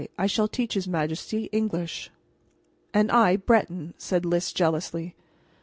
"I shall teach his majesty, English." "And I Breton," cried Lys jealously.